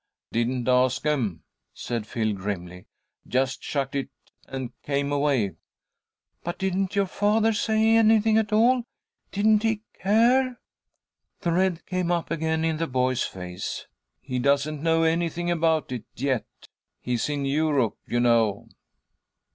"Didn't ask 'em," said Phil, grimly. "Just chucked it, and came away." "But didn't your father say anything at all? Didn't he care?" The red came up again in the boy's face. "He doesn't know anything about it yet; he's in Europe, you know."